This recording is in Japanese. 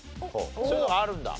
そういうのがあるんだ？